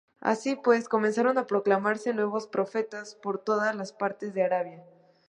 Así pues, comenzaron a proclamarse nuevos profetas por todas las partes de Arabia.